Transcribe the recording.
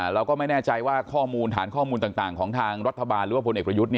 เราก็ไม่แน่ใจว่าข้อมูลฐานข้อมูลต่างของทางรัฐบาลหรือว่าพลเอกประยุทธ์